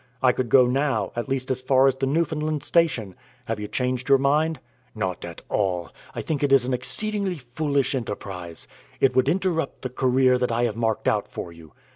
I could go now, at least as far as the Newfoundland Station. Have you changed your mind?" "Not at all. I think it is an exceedingly foolish enterprise. It would interrupt the career that I have marked out for you."